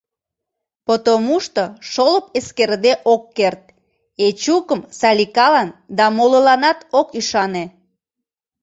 Потомушто шолып эскерыде ок керт — Эчукым Саликалан да молыланат ок ӱшане.